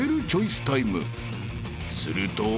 ［すると］